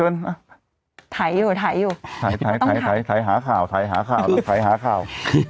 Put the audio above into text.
น้องไถหาข่าว